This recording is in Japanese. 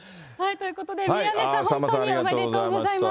ということで、宮根さん、本当におめでとうございます。